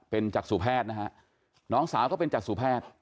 เป็นจักษุแพทย์นะฮะน้องสาวก็เป็นจักษุแพทย์